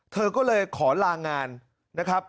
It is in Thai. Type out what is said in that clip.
เธอก็เลยขอลางานนะครับ